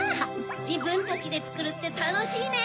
じぶんたちでつくるってたのしいね。